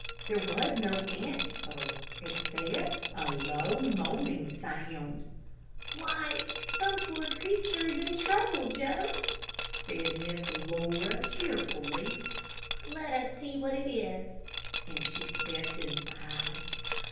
There was no answer, except a low, moaning sound. "Why, some poor creature is in trouble, Joe," said Miss Laura, cheerfully. "Let us see what it is," and she stepped inside.